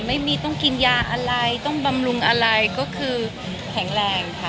ไม่มีต้องกินยาอะไรต้องบำรุงอะไรก็คือแข็งแรงค่ะ